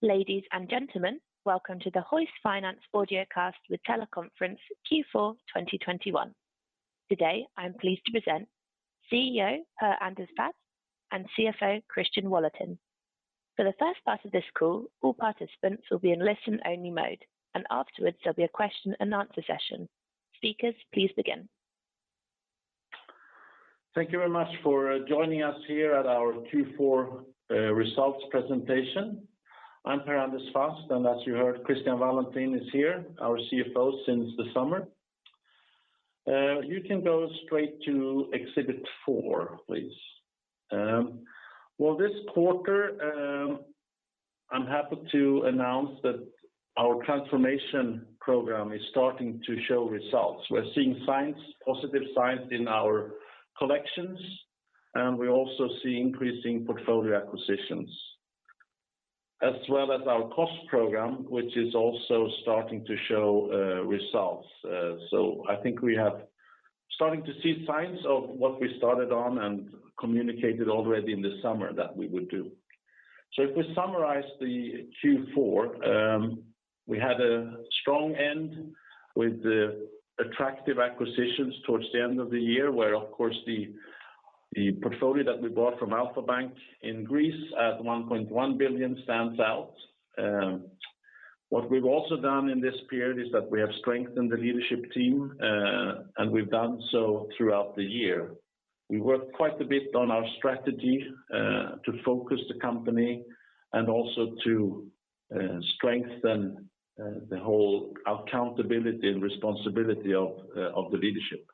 Ladies and gentlemen, welcome to the Hoist Finance Audiocast with Teleconference Q4 2021. Today, I'm pleased to present CEO Per Anders Fasth and CFO Christian Wallentin. For the first part of this call, all participants will be in listen-only mode, and afterwards there'll be a question and answer session. Speakers, please begin. Thank you very much for joining us here at our Q4 results presentation. I'm Per Anders Fasth, and as you heard, Christian Wallentin is here, our CFO since the summer. You can go straight to exhibit four, please. Well, this quarter, I'm happy to announce that our transformation program is starting to show results. We're seeing signs, positive signs in our collections, and we also see increasing portfolio acquisitions. As well as our cost program, which is also starting to show results. I think starting to see signs of what we started on and communicated already in the summer that we would do. If we summarize the Q4, we had a strong end with the attractive acquisitions towards the end of the year, where of course, the portfolio that we bought from Alpha Bank in Greece at 1.1 billion stands out. What we've also done in this period is that we have strengthened the leadership team, and we've done so throughout the year. We worked quite a bit on our strategy, to focus the company and also to strengthen the whole accountability and responsibility of the leadership.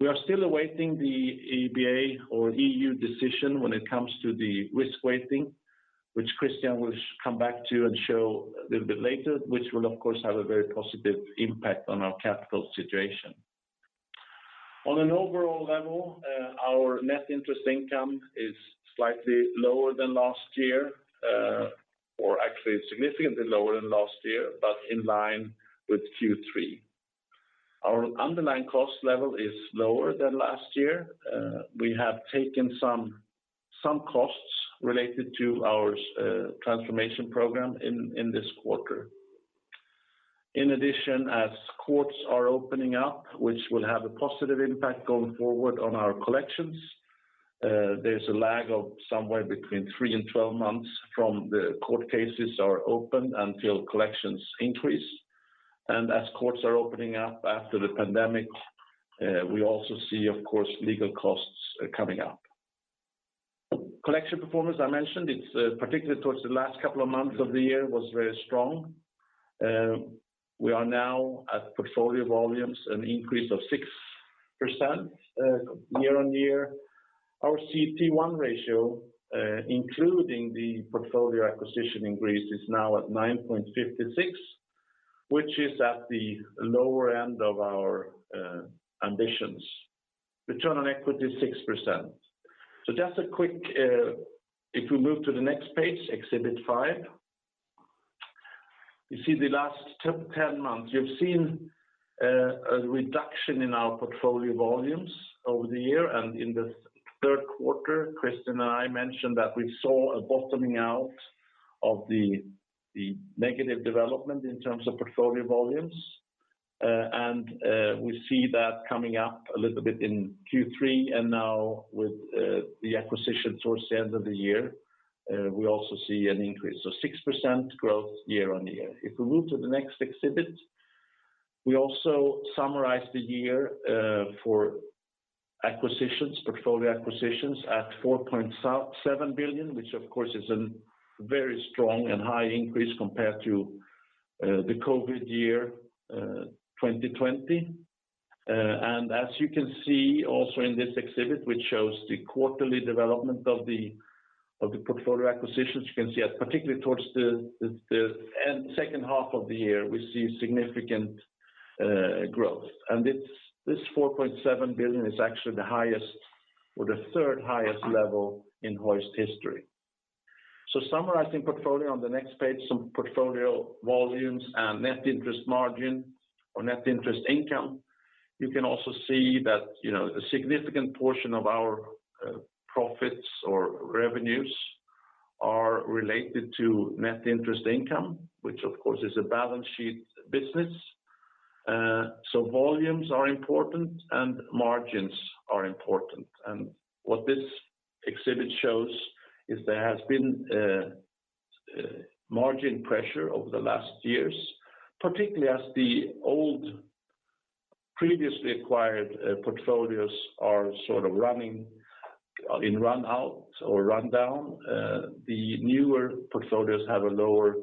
We are still awaiting the EBA or EU decision when it comes to the risk weighting, which Christian will come back to and show a little bit later, which will, of course, have a very positive impact on our capital situation. On an overall level, our net interest income is slightly lower than last year, or actually significantly lower than last year, but in line with Q3. Our underlying cost level is lower than last year. We have taken some costs related to our transformation program in this quarter. In addition, as courts are opening up, which will have a positive impact going forward on our collections, there's a lag of somewhere between three and 12 months from the court cases are open until collections increase. As courts are opening up after the pandemic, we also see, of course, legal costs coming up. Collection performance, I mentioned, it's particularly towards the last couple of months of the year was very strong. We are now at portfolio volumes an increase of 6%, year-over-year. Our CET1 ratio, including the portfolio acquisition in Greece, is now at 9.56, which is at the lower end of our ambitions. Return on equity, 6%. Just a quick. If we move to the next page, Exhibit five. You see the last 10 months. You've seen a reduction in our portfolio volumes over the year and in the third quarter. Christian and I mentioned that we saw a bottoming out of the negative development in terms of portfolio volumes. We see that coming up a little bit in Q3 and now with the acquisition towards the end of the year, we also see an increase. 6% growth year-on-year. If we move to the next exhibit, we also summarize the year for acquisitions, portfolio acquisitions at 4.7 billion, which of course is a very strong and high increase compared to the COVID year 2020. As you can see also in this exhibit, which shows the quarterly development of the portfolio acquisitions, you can see that particularly towards the end, second half of the year, we see significant growth. This 4.7 billion is actually the highest or the third-highest level in Hoist history. Summarizing portfolio on the next page, some portfolio volumes and net interest margin or net interest income. You can also see that, you know, a significant portion of our profits or revenues are related to net interest income, which of course is a balance sheet business. Volumes are important and margins are important. What this exhibit shows is there has been margin pressure over the last years, particularly as the old previously acquired portfolios are sort of running in run out or run down. The newer portfolios have a lower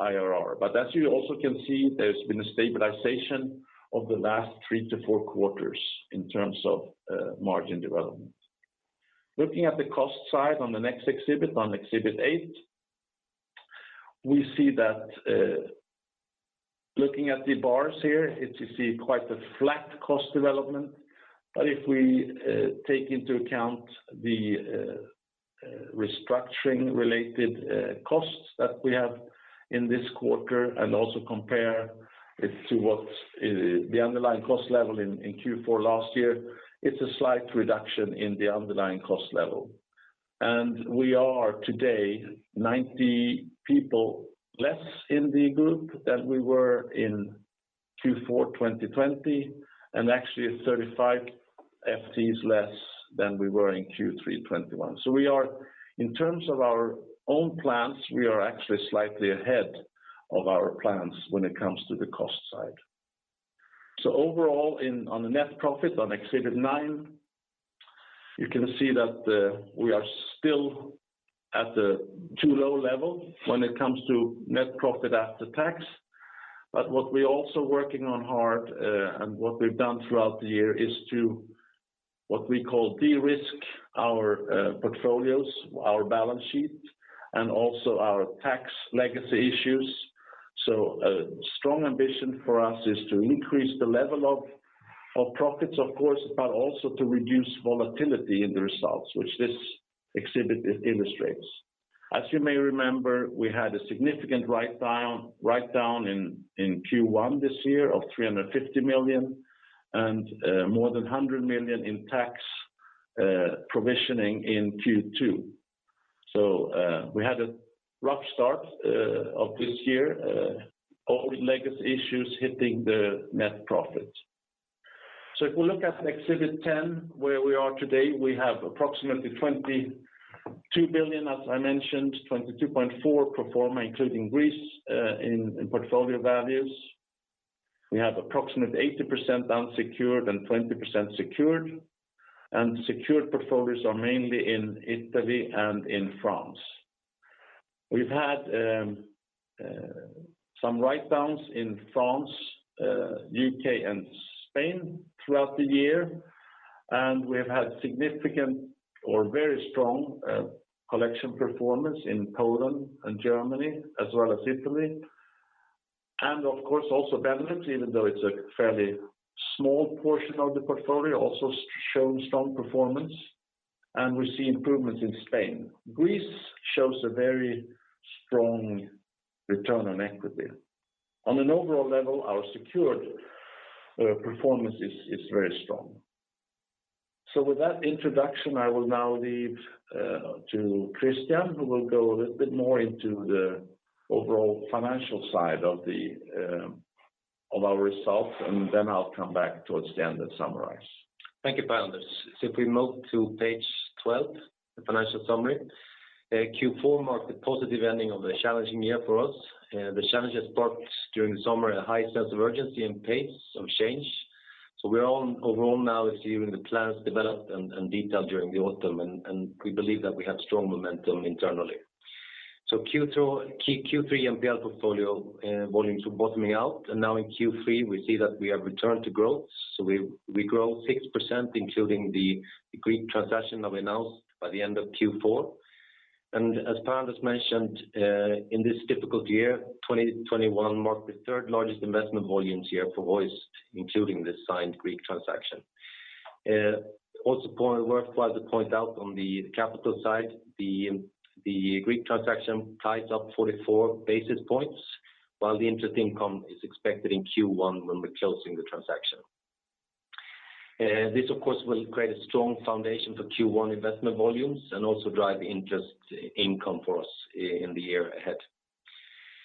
IRR. As you also can see, there's been a stabilization of the last three to four quarters in terms of margin development. Looking at the cost side on the next exhibit, on Exhibit eight, we see that looking at the bars here, it is quite a flat cost development. If we take into account the restructuring related costs that we have in this quarter and also compare it to what's the underlying cost level in Q4 last year. It's a slight reduction in the underlying cost level. We are today 90 people less in the group than we were in Q4 2020, and actually 35 FTEs less than we were in Q3 2021. We are in terms of our own plans actually slightly ahead of our plans when it comes to the cost side. Overall, on the net profit on exhibit nine, you can see that we are still at a too low level when it comes to net profit after tax. But what we're also working on hard and what we've done throughout the year is to what we call de-risk our portfolios, our balance sheet, and also our tax legacy issues. A strong ambition for us is to increase the level of profits of course, but also to reduce volatility in the results, which this exhibit illustrates. As you may remember, we had a significant write down in Q1 this year of 350 million and more than 100 million in tax provisioning in Q2. We had a rough start of this year, old legacy issues hitting the net profit. If we look at Exhibit 10, where we are today, we have approximately 22 billion, as I mentioned, 22.4 pro forma, including Greece, in portfolio values. We have approximately 80% unsecured and 20% secured. Secured portfolios are mainly in Italy and in France. We've had some write downs in France, U.K. and Spain throughout the year, and we have had significant or very strong collection performance in Poland and Germany as well as Italy. Of course also Belgium, even though it's a fairly small portion of the portfolio, also shown strong performance, and we see improvements in Spain. Greece shows a very strong return on equity. On an overall level, our secured performance is very strong. With that introduction, I will now leave to Christian, who will go a little bit more into the overall financial side of our results, and then I'll come back towards the end and summarize. Thank you, Per Anders Fasth. If we move to page 12, the financial summary. Q4 marked the positive ending of the challenging year for us. The challenges brought during the summer a high sense of urgency and pace of change. We're all overall now executing the plans developed and detailed during the autumn, and we believe that we have strong momentum internally. Q3 NPL portfolio volumes were bottoming out, and now in Q3, we see that we have returned to growth. We grow 6%, including the Greek transaction that we announced by the end of Q4. As Per Anders Fasth mentioned, in this difficult year, 2021 marked the third largest investment volume year for Hoist, including the signed Greek transaction. Worthwhile to point out on the capital side, the Greek transaction ties up 44 basis points, while the interest income is expected in Q1 when we're closing the transaction. This of course will create a strong foundation for Q1 investment volumes and also drive interest income for us in the year ahead.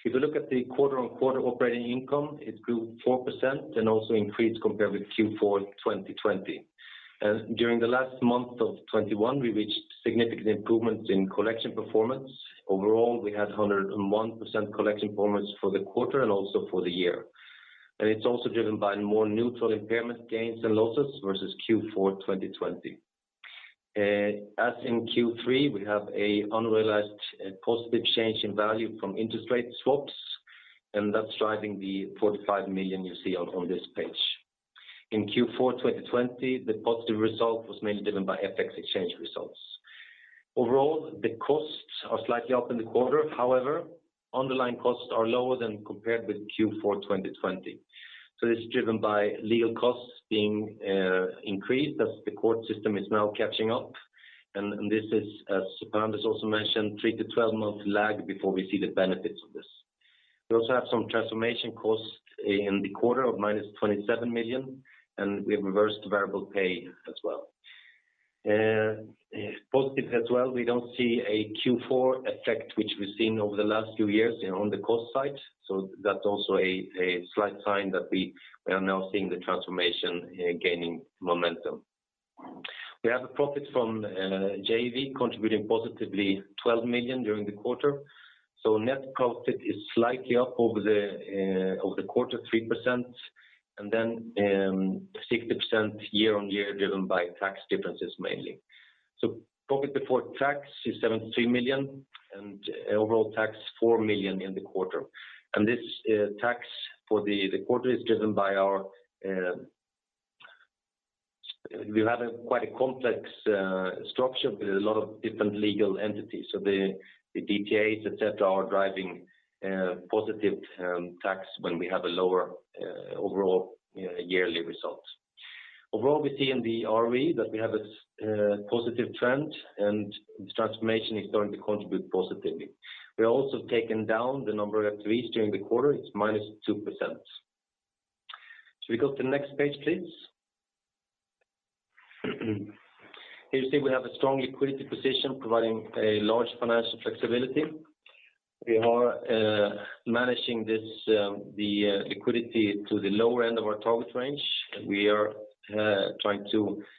If you look at the quarter-on-quarter operating income, it grew 4% and also increased compared with Q4 2020. During the last month of 2021, we reached significant improvements in collection performance. Overall, we had 101% collection performance for the quarter and also for the year. It's also driven by more net impairment gains and losses versus Q4 2020. As in Q3, we have an unrealized loss from change in value from interest rate swaps, and that's driving the 45 million you see on this page. In Q4 2020, the positive result was mainly driven by FX change results. Overall, the costs are slightly up in the quarter. However, underlying costs are lower than compared with Q4 2020. It's driven by legal costs being increased as the court system is now catching up. This is, as Per Anders Fasth also mentioned, 3- 12-month lag before we see the benefits of this. We also have some transformation costs in the quarter of -27 million, and we have reversed variable pay as well. Positive as well, we don't see a Q4 effect, which we've seen over the last few years on the cost side. That's also a slight sign that we are now seeing the transformation gaining momentum. We have a profit from JV contributing positively 12 million during the quarter. Net profit is slightly up over the quarter 3% and then 60% year-on-year driven by tax differences mainly. Profit before tax is 73 million and overall tax 4 million in the quarter. This tax for the quarter is driven by our quite a complex structure with a lot of different legal entities. The DTAs, et cetera, are driving positive tax when we have a lower overall yearly results. Overall, we see in the ROE that we have a positive trend and the transformation is starting to contribute positively. We have also taken down the number of employees during the quarter, it's minus 2%. Should we go to the next page, please? Here you see we have a strong liquidity position providing a large financial flexibility. We are managing this liquidity to the lower end of our target range. We know that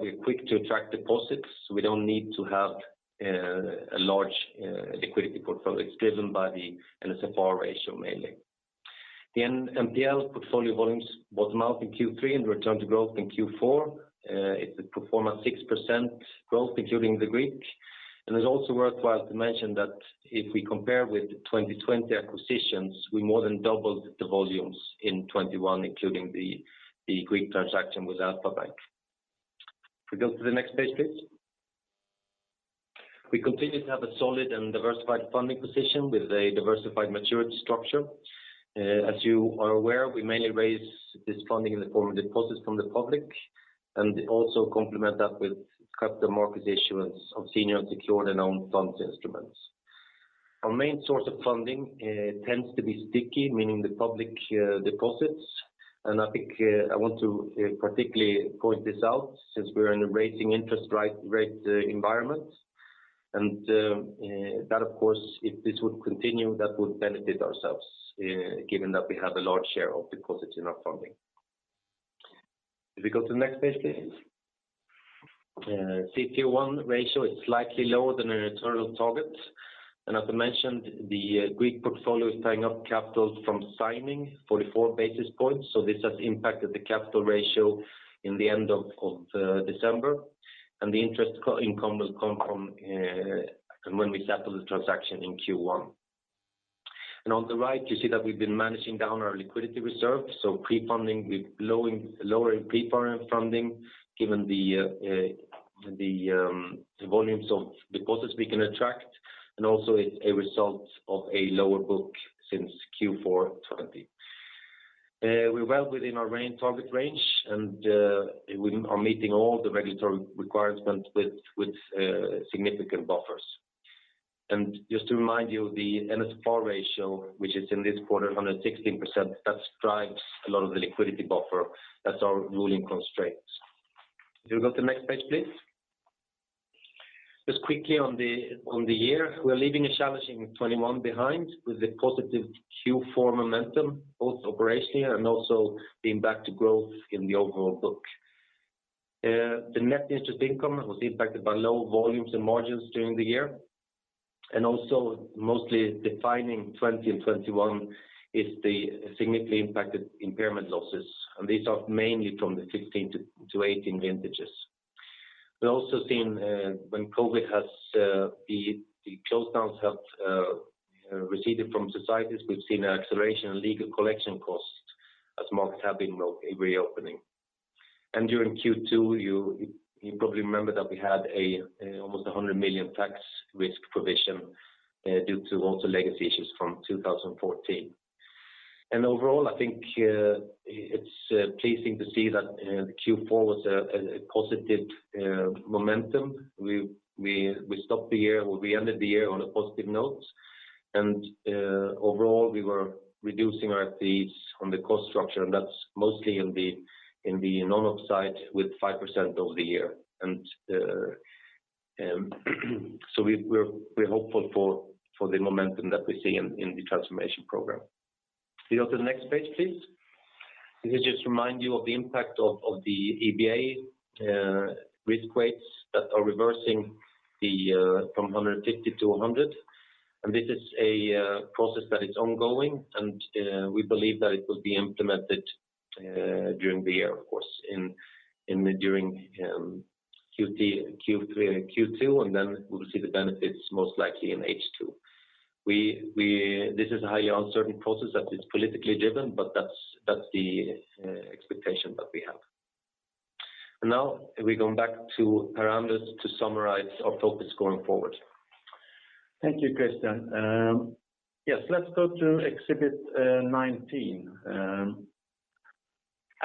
we're quick to attract deposits, so we don't need to have a large liquidity portfolio. It's driven by the NSFR ratio mainly. The NPL portfolio volumes bottomed out in Q3 and returned to growth in Q4. It's performing 6% growth including the Greek. It's also worthwhile to mention that if we compare with the 2020 acquisitions, we more than doubled the volumes in 2021, including the Greek transaction with Alpha Bank. Could we go to the next page, please? We continue to have a solid and diversified funding position with a diversified maturity structure. As you are aware, we mainly raise this funding in the form of deposits from the public and also complement that with capital market issuance of senior secured and own funds instruments. Our main source of funding tends to be sticky, meaning the public deposits. I think I want to particularly point this out since we're in a rising interest rate environment. That of course, if this would continue, that would benefit ourselves given that we have a large share of deposits in our funding. Could we go to the next page, please? CET1 ratio is slightly lower than our internal target. As I mentioned, the Greek portfolio is tying up capital from signing 44 basis points, so this has impacted the capital ratio in the end of December. The interest income will come from when we settle the transaction in Q1. On the right, you see that we've been managing down our liquidity reserve, so pre-funding with lowering pre-funding, given the volumes of deposits we can attract, and also it's a result of a lower book since Q4 2020. We're well within our range, target range, and we are meeting all the regulatory requirements with significant buffers. Just to remind you, the NSFR ratio, which is in this quarter, 116%, that drives a lot of the liquidity buffer. That's our binding constraints. Could we go to the next page, please? Just quickly on the year, we're leaving a challenging 2021 behind with a positive Q4 momentum, both operationally and also being back to growth in the overall book. The net interest income was impacted by low volumes and margins during the year. Also mostly defining 2020 and 2021 is the significantly impacted impairment losses, and these are mainly from the 2016 to 2018 vintages. We've also seen when COVID has, the lockdowns have receded from societies, we've seen an acceleration in legal collection costs as markets have been reopening. During Q2, you probably remember that we had almost 100 million tax risk provision due to also legacy issues from 2014. Overall, I think it's pleasing to see that the Q4 was a positive momentum. We stopped the year, or we ended the year on a positive note. Overall, we were reducing our fees on the cost structure, and that's mostly in the non-op side with 5% over the year. We're hopeful for the momentum that we see in the transformation program. Could we go to the next page, please? This will just remind you of the impact of the EBA risk weights that are reversing from 150 to 100. This is a process that is ongoing, and we believe that it will be implemented during the year, of course, during Q3 and Q2, and then we'll see the benefits most likely in H2. This is a highly uncertain process that is politically driven, but that's the expectation that we have. Now we go back to Per Anders Fasth to summarize our focus going forward. Thank you, Christian. Yes, let's go to Exhibit 19.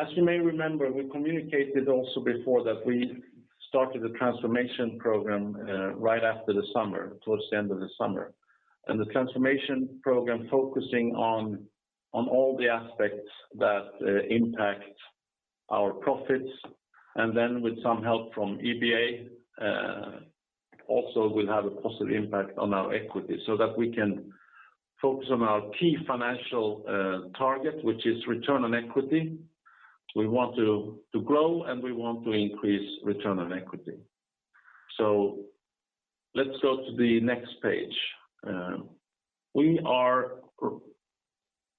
As you may remember, we communicated also before that we started the transformation program right after the summer, towards the end of the summer. The transformation program focusing on all the aspects that impact our profits, and then with some help from EBA also will have a positive impact on our equity so that we can focus on our key financial target, which is return on equity. We want to grow, and we want to increase return on equity. Let's go to the next page. We are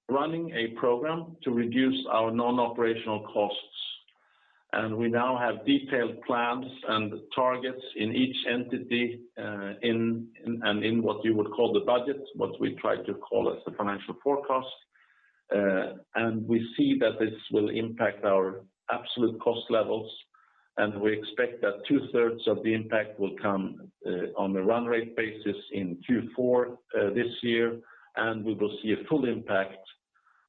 running a program to reduce our non-operational costs, and we now have detailed plans and targets in each entity in what you would call the budget, what we try to call as the financial forecast. We see that this will impact our absolute cost levels. We expect that two-thirds of the impact will come on the run rate basis in Q4 this year, and we will see a full impact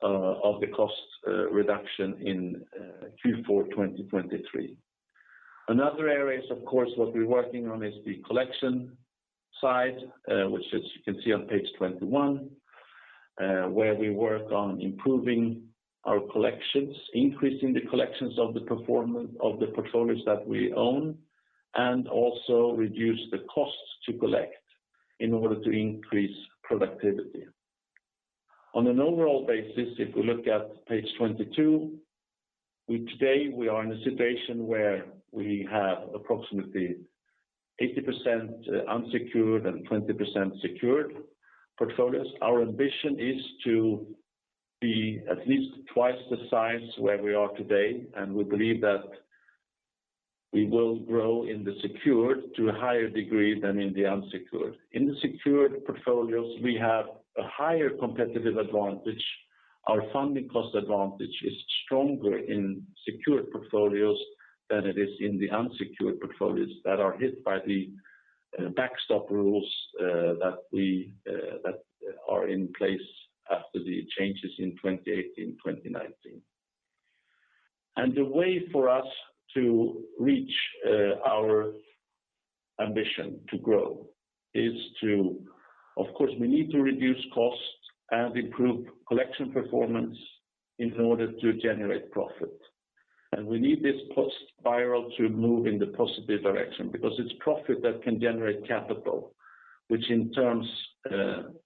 of the cost reduction in Q4 2023. Another area is of course what we're working on is the collection side, which as you can see on page 21, where we work on improving our collections, increasing the collections of the portfolios that we own, and also reduce the costs to collect in order to increase productivity. On an overall basis, if we look at page 22, we today are in a situation where we have approximately 80% unsecured and 20% secured portfolios. Our ambition is to be at least twice the size where we are today, and we believe that we will grow in the secured to a higher degree than in the unsecured. In the secured portfolios, we have a higher competitive advantage. Our funding cost advantage is stronger in secured portfolios than it is in the unsecured portfolios that are hit by the backstop rules that are in place after the changes in 2018, 2019. The way for us to reach our ambition to grow is to reduce costs and improve collection performance in order to generate profit. We need this cost spiral to move in the positive direction because it's profit that can generate capital, which in turn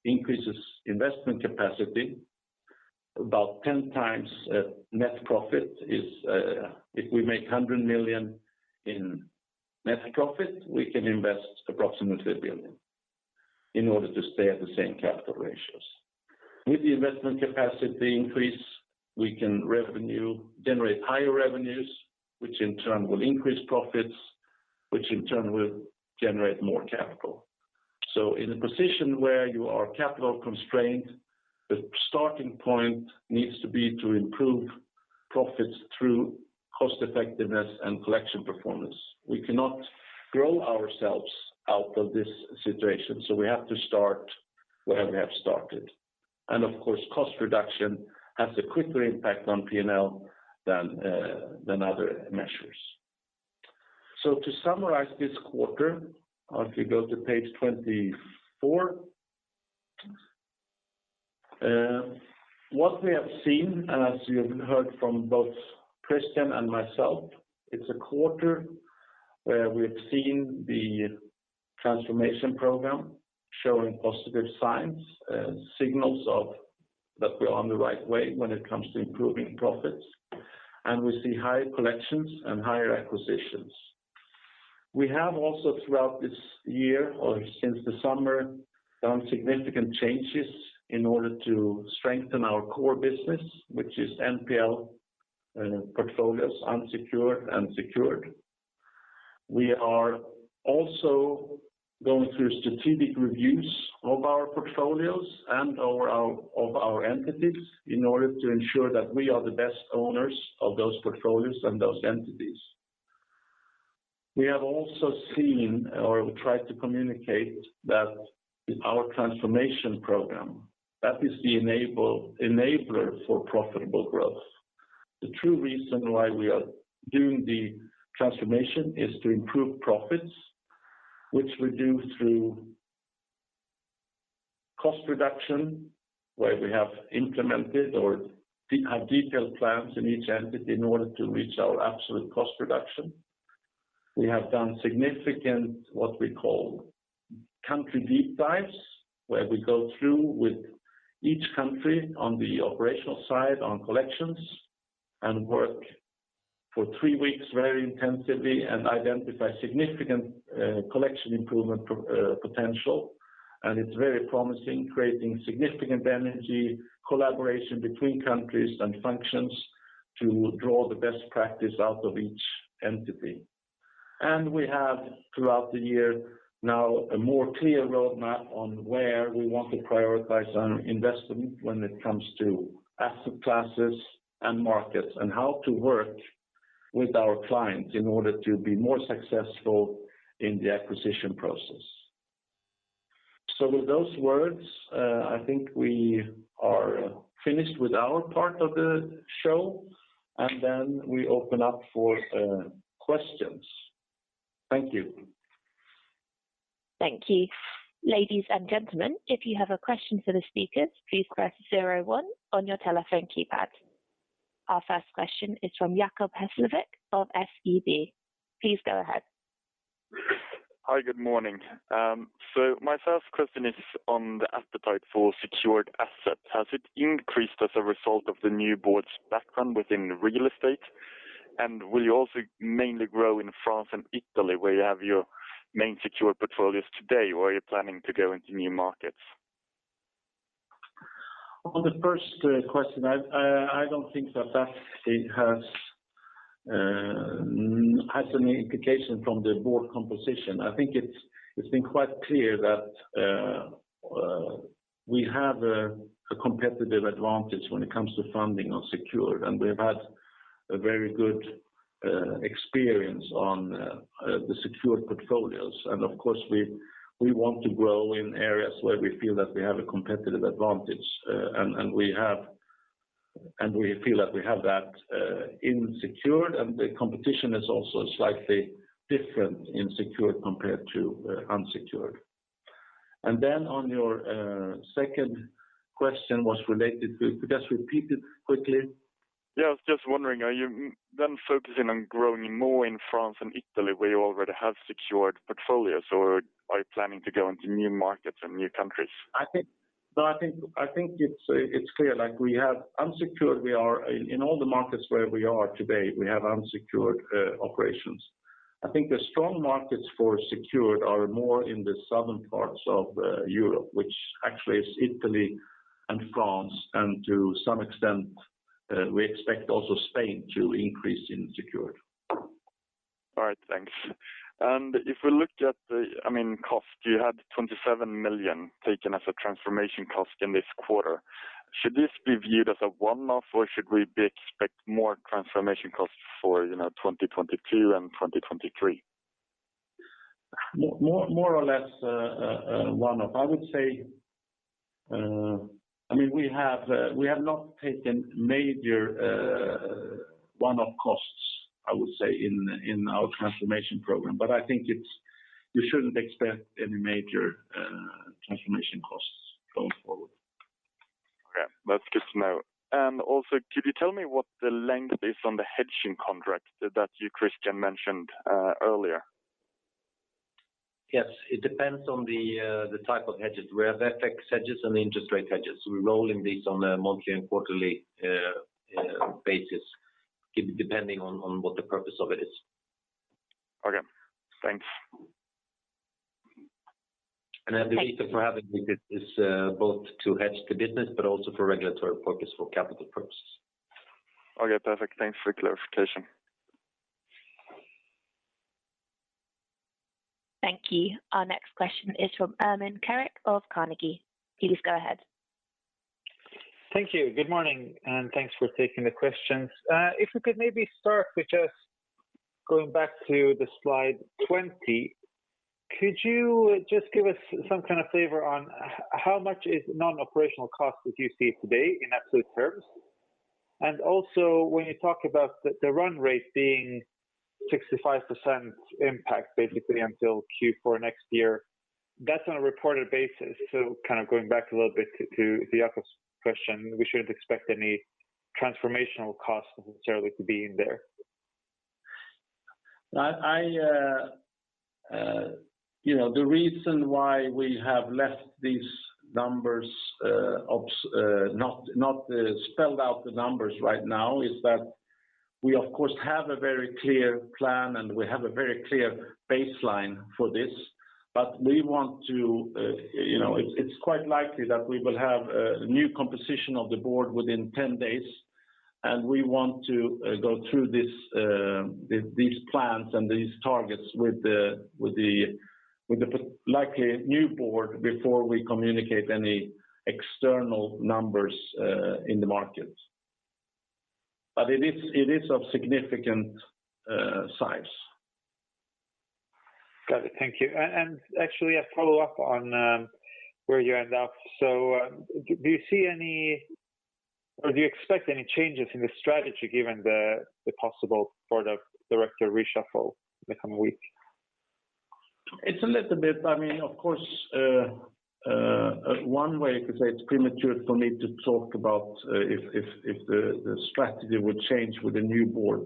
increases investment capacity about 10 times. Net profit is, if we make 100 million in net profit, we can invest approximately 1 billion in order to stay at the same capital ratios. With the investment capacity increase, we can generate higher revenues, which in turn will increase profits, which in turn will generate more capital. In a position where you are capital constrained, the starting point needs to be to improve profits through cost effectiveness and collection performance. We cannot grow ourselves out of this situation, so we have to start where we have started. Of course, cost reduction has a quicker impact on P&L than other measures. To summarize this quarter, if you go to page 24, what we have seen, and as you have heard from both Christian and myself, it's a quarter where we have seen the transformation program showing positive signs and signals of that we are on the right way when it comes to improving profits, and we see higher collections and higher acquisitions. We have also throughout this year or since the summer, done significant changes in order to strengthen our core business, which is NPL portfolios, unsecured and secured. We are also going through strategic reviews of our portfolios and of our entities in order to ensure that we are the best owners of those portfolios and those entities. We have also seen or we tried to communicate that our transformation program, that is the enabler for profitable growth. The true reason why we are doing the transformation is to improve profits, which we do through cost reduction, where we have implemented have detailed plans in each entity in order to reach our absolute cost reduction. We have done significant, what we call country deep dives, where we go through with each country on the operational side on collections and work for three weeks very intensively and identify significant, collection improvement potential. We have throughout the year now a more clear roadmap on where we want to prioritize our investment when it comes to asset classes and markets and how to work with our clients in order to be more successful in the acquisition process. With those words, I think we are finished with our part of the show, and then we open up for questions. Thank you. Thank you. Ladies and gentlemen, if you have a question for the speakers, please press zero one on your telephone keypad. Our first question is from Jacob Hesslevik of SEB. Please go ahead. Hi, good morning. My first question is on the appetite for secured assets. Has it increased as a result of the new board's background within real estate? Will you also mainly grow in France and Italy, where you have your main secured portfolios today, or are you planning to go into new markets? On the first question, I don't think that has any implication from the board composition. I think it's been quite clear that we have a competitive advantage when it comes to funding on secured, and we've had a very good experience on the secured portfolios. Of course, we want to grow in areas where we feel that we have a competitive advantage. We feel that we have that in secured, and the competition is also slightly different in secured compared to unsecured. Then on your second question was related to. Could you just repeat it quickly? Yeah, I was just wondering, are you then focusing on growing more in France and Italy, where you already have secured portfolios, or are you planning to go into new markets and new countries? I think it's clear, like we have unsecured. In all the markets where we are today, we have unsecured operations. I think the strong markets for secured are more in the southern parts of Europe, which actually is Italy and France, and to some extent, we expect also Spain to increase in secured. All right, thanks. If we looked at the, I mean, cost, you had 27 million taken as a transformation cost in this quarter. Should this be viewed as a one-off, or should we expect more transformation costs for, you know, 2022 and 2023? More or less a one-off. I would say. I mean, we have not taken major one-off costs, I would say, in our transformation program. I think it's you shouldn't expect any major transformation costs going forward. Okay, that's good to know. Also, could you tell me what the length is on the hedging contract that you, Christian, mentioned earlier? Yes. It depends on the type of hedges. We have FX hedges and the interest rate hedges. We're rolling these on a monthly and quarterly basis depending on what the purpose of it is. Okay, thanks. The reason for having this is both to hedge the business but also for regulatory purpose, for capital purposes. Okay, perfect. Thanks for the clarification. Thank you. Our next question is from Ermin Keric of Carnegie. Please go ahead. Thank you. Good morning, and thanks for taking the questions. If you could maybe start with just going back to the slide 20, could you just give us some kind of flavor on how much is non-operational costs as you see it today in absolute terms? And also, when you talk about the run rate being 65% impact basically until Q4 next year, that's on a reported basis. Kind of going back a little bit to Jacob's question, we shouldn't expect any transformational costs necessarily to be in there. The reason why we have left these numbers not spelled out the numbers right now is that we, of course, have a very clear plan, and we have a very clear baseline for this. We want to, you know, it's quite likely that we will have a new composition of the board within 10 days, and we want to go through these plans and these targets with like a new board before we communicate any external numbers in the market. It is of significant size. Got it. Thank you. Actually, a follow-up on where you end up. Do you see any or do you expect any changes in the strategy given the possible board of director reshuffle in the coming week? It's a little bit. I mean, of course, one way you could say it's premature for me to talk about if the strategy would change with the new board.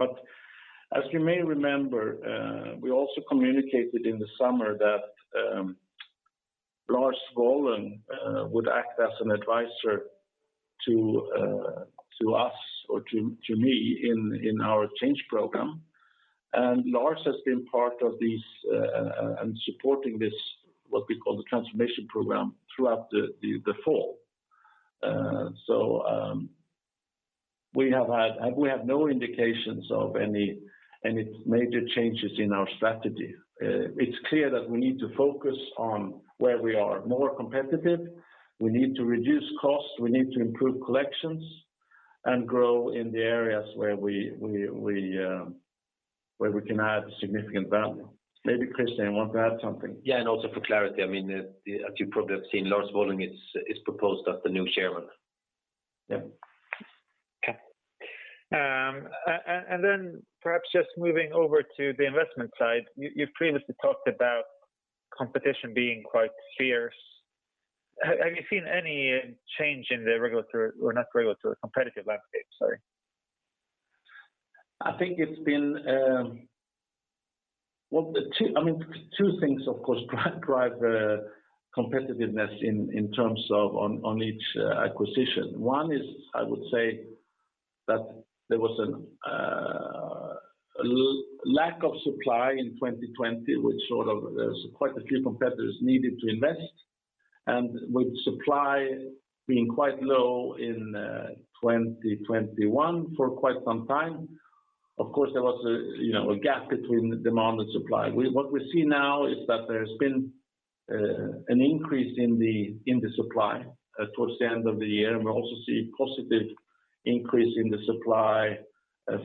As you may remember, we also communicated in the summer that Lars Wollung would act as an advisor to us or to me in our change program. Lars has been part of this and supporting this, what we call the transformation program throughout the fall. We have no indications of any major changes in our strategy. It's clear that we need to focus on where we are more competitive. We need to reduce costs, we need to improve collections, and grow in the areas where we can add significant value. Maybe Christian want to add something. Yeah, for clarity, I mean, as you probably have seen, Lars Wollung is proposed as the new chairman. Yeah. Okay. And then perhaps just moving over to the investment side. You've previously talked about competition being quite fierce. Have you seen any change in the competitive landscape, sorry? I think it's been well, I mean, two things, of course, drive competitiveness in terms of on each acquisition. One is I would say that there was a lack of supply in 2020, which sort of quite a few competitors needed to invest. With supply being quite low in 2021 for quite some time. Of course, there was, you know, a gap between the demand and supply. What we see now is that there's been an increase in the supply towards the end of the year. We're also seeing positive increase in the supply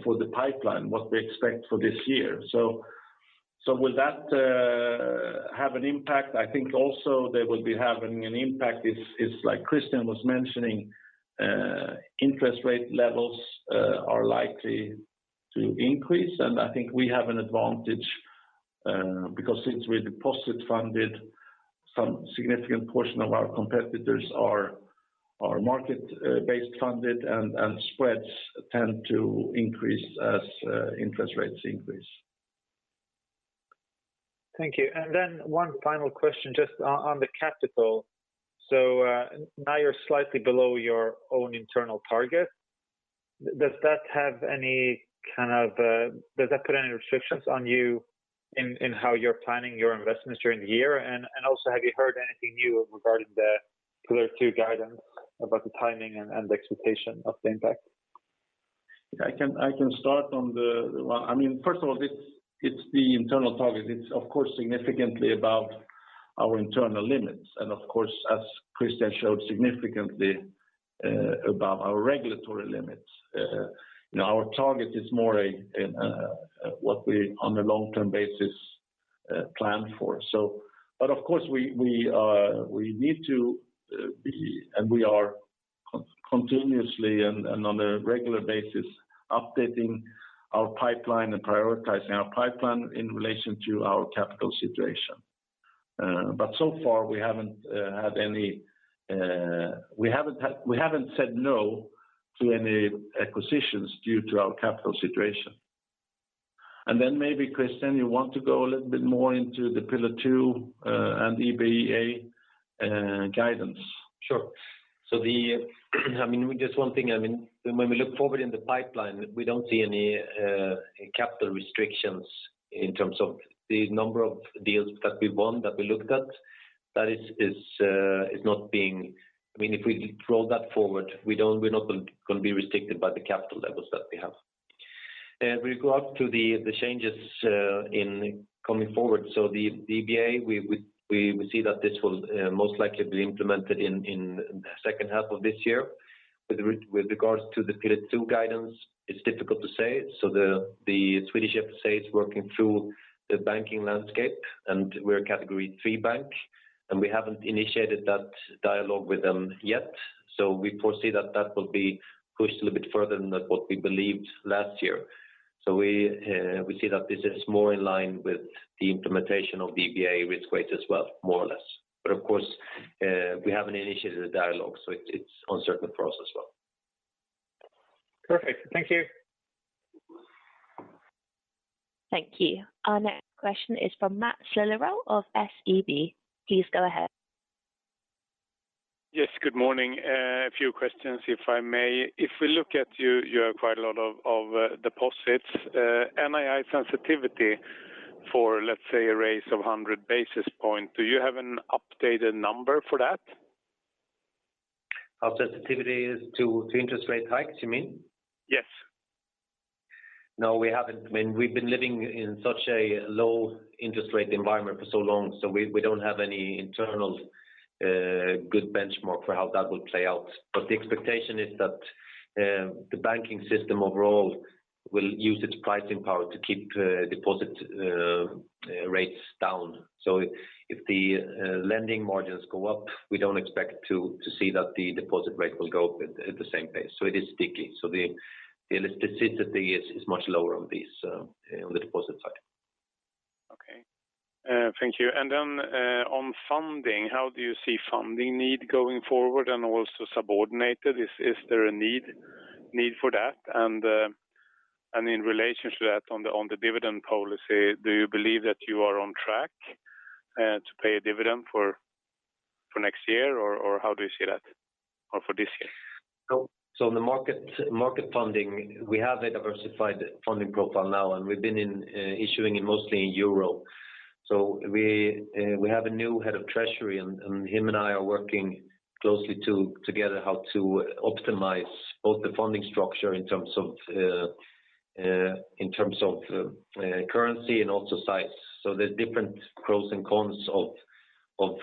for the pipeline, what we expect for this year. So will that have an impact? I think also that will be having an impact is like Christian was mentioning, interest rate levels are likely to increase. I think we have an advantage, because since we're deposit funded, some significant portion of our competitors are market based funded and spreads tend to increase as interest rates increase. Thank you. One final question just on the capital. Now you're slightly below your own internal target. Does that put any restrictions on you in how you're planning your investments during the year? Also, have you heard anything new regarding the Pillar 2 guidance about the timing and expectation of the impact? I can start on the. Well, I mean, first of all, this, it's the internal target. It's of course significantly above our internal limits. Of course, as Christian showed, significantly above our regulatory limits. You know, our target is more a what we on a long-term basis plan for. But of course, we need to be, and we are continuously and on a regular basis updating our pipeline and prioritizing our pipeline in relation to our capital situation. But so far we haven't had any. We haven't said no to any acquisitions due to our capital situation. Then maybe Christian, you want to go a little bit more into the Pillar 2 and EBA guidance. Sure. I mean, just one thing, I mean, when we look forward in the pipeline, we don't see any capital restrictions in terms of the number of deals that we want, that we looked at. I mean, if we roll that forward, we're not going to be restricted by the capital levels that we have. With regard to the changes coming forward. The EBA, we see that this will most likely be implemented in the second half of this year. With regards to the Pillar 2 guidance, it's difficult to say. The Swedish FSA is working through the banking landscape, and we're a Category 3 bank, and we haven't initiated that dialogue with them yet. We foresee that that will be pushed a little bit further than what we believed last year. We see that this is more in line with the implementation of EBA risk weight as well, more or less. Of course, we haven't initiated a dialogue, so it's an uncertain process as well. Perfect. Thank you. Thank you. Our next question is from Matt Sillerud of SEB. Please go ahead. Yes, good morning. A few questions, if I may. If we look at you have quite a lot of deposits, NII sensitivity for, let's say, a raise of 100 basis points. Do you have an updated number for that? Our sensitivity is to interest rate hikes, you mean? Yes. No, we haven't. I mean, we've been living in such a low interest rate environment for so long, so we don't have any internal good benchmark for how that would play out. The expectation is that the banking system overall will use its pricing power to keep deposit rates down. If the lending margins go up, we don't expect to see that the deposit rate will go up at the same pace. It is sticky. The elasticity is much lower on the deposit side. Okay. Thank you. Then, on funding, how do you see funding need going forward and also subordinated? Is there a need for that? In relation to that, on the dividend policy, do you believe that you are on track to pay a dividend for next year or how do you see that, or for this year? On the market funding, we have a diversified funding profile now, and we've been issuing it mostly in euro. We have a new head of treasury and him and I are working closely together how to optimize both the funding structure in terms of currency and also size. There's different pros and cons of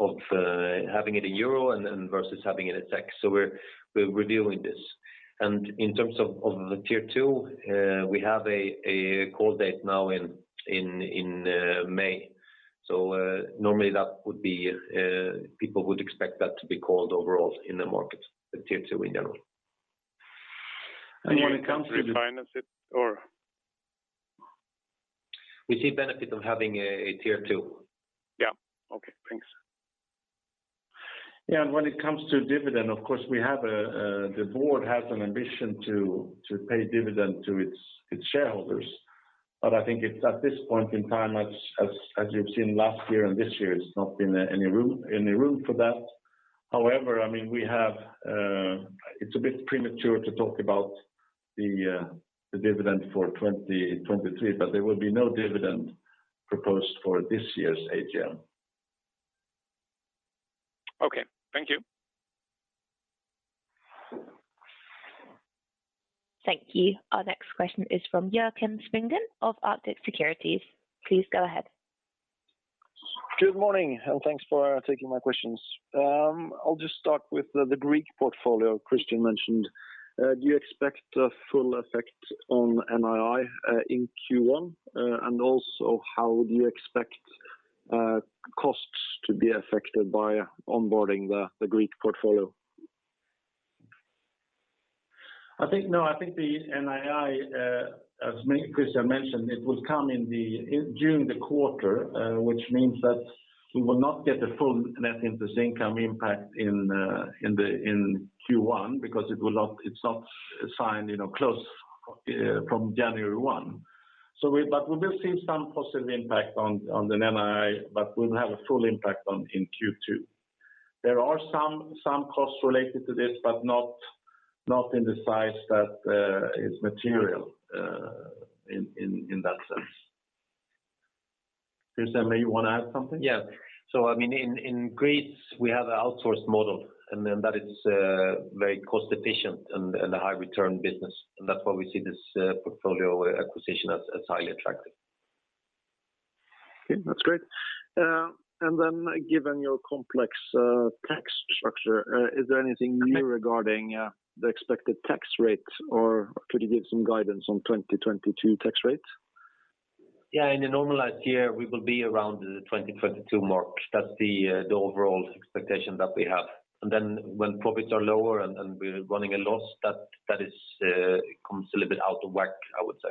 having it in euro and versus having it in SEK. We're reviewing this. In terms of the Tier 2, we have a call date now in May. Normally, people would expect that to be called overall in the market, the Tier 2 in general. When it comes to- Do you refinance it or? We see benefit of having a Tier 2. Yeah. Okay. Thanks. When it comes to dividend, of course, the board has an ambition to pay dividend to its shareholders. I think it's at this point in time, as you've seen last year and this year, it's not been any room for that. However, I mean, it's a bit premature to talk about the dividend for 2023, but there will be no dividend proposed for this year's AGM. Okay, thank you. Thank you. Our next question is from Joakim Svingen of Arctic Securities. Please go ahead. Good morning, and thanks for taking my questions. I'll just start with the Greek portfolio Christian mentioned. Do you expect a full effect on NII in Q1? Also how do you expect costs to be affected by onboarding the Greek portfolio? I think the NII, as Christian mentioned, it will come in June, the quarter, which means that we will not get the full net interest income impact in Q1 because it's not signed, you know, closed from January 1. We will see some positive impact on the NII, but we'll have a full impact in Q2. There are some costs related to this, but not in the size that is material in that sense. Christian, maybe you wanna add something? Yeah. I mean, in Greece we have an outsourced model, and then that is very cost efficient and a high return business. That's why we see this portfolio acquisition as highly attractive. Okay, that's great. Given your complex tax structure, is there anything new regarding the expected tax rates or could you give some guidance on 2022 tax rates? Yeah, in a normalized year we will be around the 2022 mark. That's the overall expectation that we have. Then when profits are lower and we're running a loss that comes a little bit out of whack, I would say.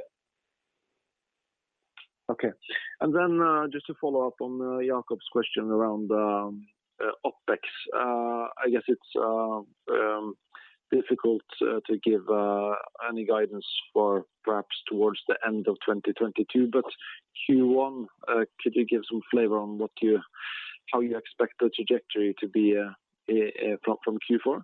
Just to follow up on Jacob's question around OpEx. I guess it's difficult to give any guidance for perhaps towards the end of 2022. Q1, could you give some flavor on how you expect the trajectory to be from Q4?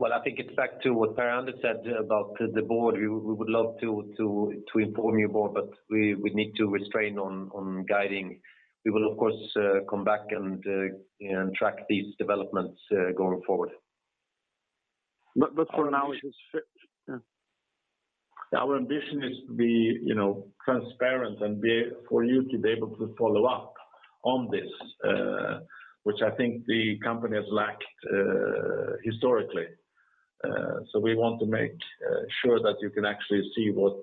Well, I think it's back to what Per-Anders said about the board. We would love to inform you more, but we need to refrain from guiding. We will of course come back and track these developments going forward. For now it is. Yeah. Our ambition is to be, you know, transparent and for you to be able to follow up on this, which I think the company has lacked historically. We want to make sure that you can actually see what,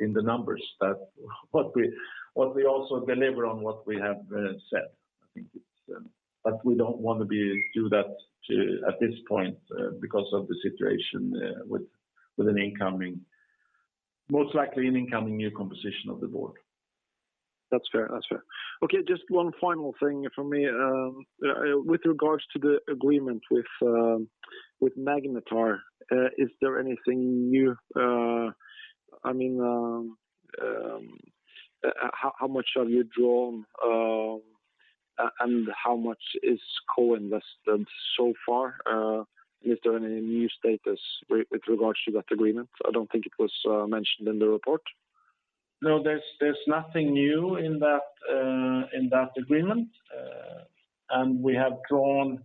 in the numbers, that what we also deliver on what we have said. We don't want to do that at this point because of the situation with an incoming, most likely, new composition of the board. That's fair. Okay, just one final thing from me. With regards to the agreement with Magnetar, is there anything new? I mean, how much have you drawn, and how much is co-invested so far? And is there any new status with regards to that agreement? I don't think it was mentioned in the report. No, there's nothing new in that agreement. We have drawn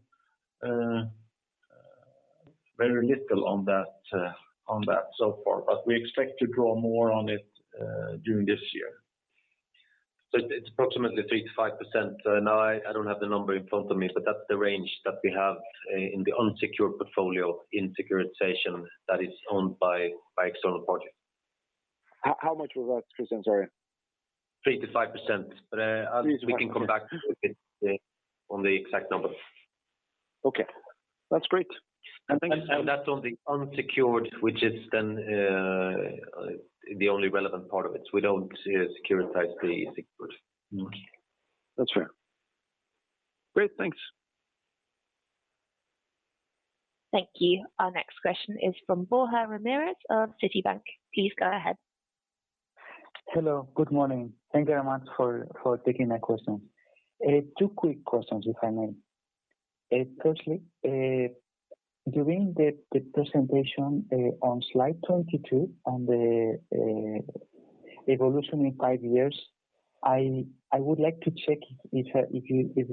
very little on that so far, but we expect to draw more on it during this year. It's approximately 3%-5%. I don't have the number in front of me, but that's the range that we have in the unsecured portfolio in securitization that is owned by external parties. How much was that, Christian? Sorry. Three to five percent. But, uh- 3%-5%. We can come back on the exact number. Okay. That's great. Thanks- That's on the unsecured, which is then the only relevant part of it. We don't securitize the secured. Okay. That's fair. Great. Thanks. Thank you. Our next question is from Borja Ramirez of Citibank. Please go ahead. Hello. Good morning. Thank you very much for taking my question. Two quick questions, if I may. Firstly, during the presentation on slide 22 on the evolution in five years, I would like to check if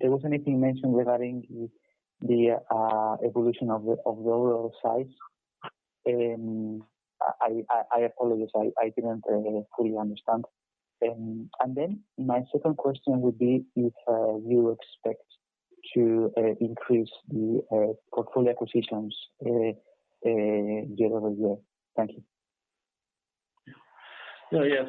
there was anything mentioned regarding the evolution of the overall size. I apologize, I didn't fully understand. Then my second question would be if you expect to increase the portfolio acquisitions during the year. Thank you.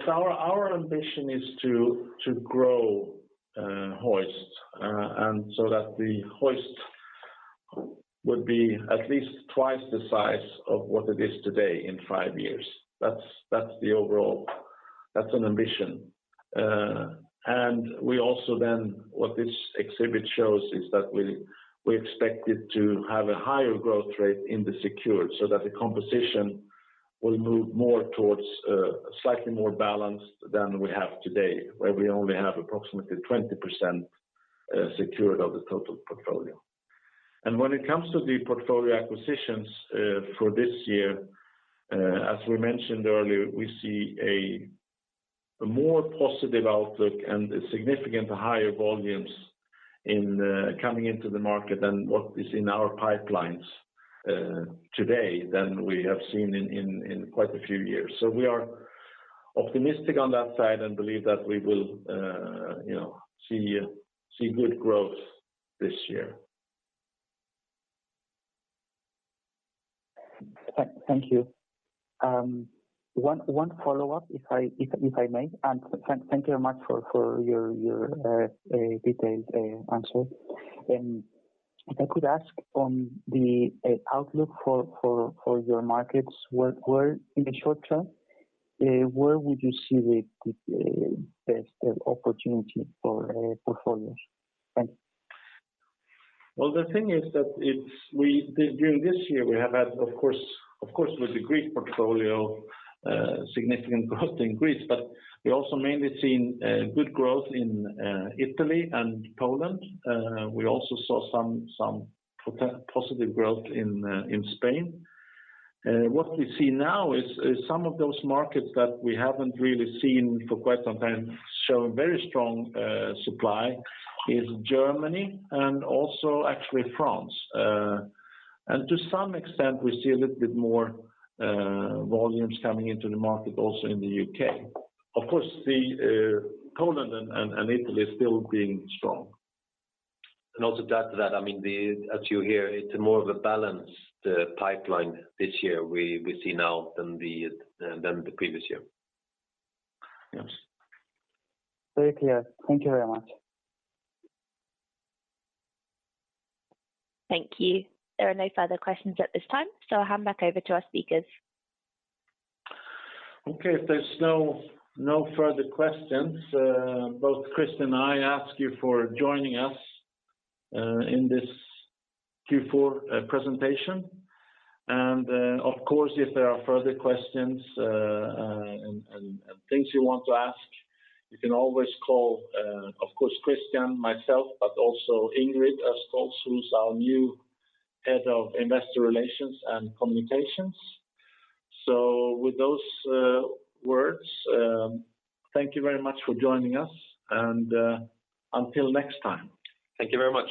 Our ambition is to grow Hoist and so that Hoist would be at least twice the size of what it is today in five years. That's the overall ambition. We also then, what this exhibit shows is that we expect it to have a higher growth rate in the secured so that the composition will move more towards slightly more balanced than we have today, where we only have approximately 20% secured of the total portfolio. When it comes to the portfolio acquisitions for this year, as we mentioned earlier, we see a more positive outlook and a significant higher volumes in coming into the market than what is in our pipelines today than we have seen in quite a few years. We are optimistic on that side and believe that we will, you know, see good growth this year. Thank you. One follow-up if I may, and thank you very much for your detailed answer. If I could ask on the outlook for your markets, where in the short term would you see the best opportunity for portfolios? Thanks. Well, the thing is that during this year, we have had, of course, with the Greek portfolio, significant growth in Greece. We also mainly seen good growth in Italy and Poland. We also saw some positive growth in Spain. What we see now is some of those markets that we haven't really seen for quite some time showing very strong supply in Germany and also actually France. To some extent, we see a little bit more volumes coming into the market also in the U.K. Of course, Poland and Italy is still being strong. Also, to add to that, I mean, as you hear, it's more of a balanced pipeline this year we see now than the previous year. Yes. Very clear. Thank you very much. Thank you. There are no further questions at this time, so I'll hand back over to our speakers. Okay. If there's no further questions, both Christian and I thank you for joining us in this Q4 presentation. Of course, if there are further questions and things you want to ask, you can always call, of course Christian, myself, but also Ingrid Östhols, who's our new Head of Investor Relations and Communications. With those words, thank you very much for joining us, and until next time. Thank you very much.